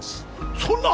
そんな！